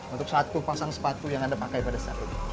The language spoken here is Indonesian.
untuk satu pasang sepatu yang anda pakai pada saat ini